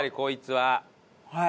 はい。